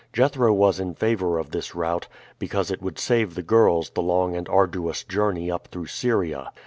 Jethro was in favor of this route, because it would save the girls the long and arduous journey up through Syria.